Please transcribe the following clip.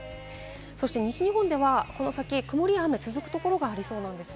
そして西日本ではこの先、曇りや雨が続くところがありそうなんです。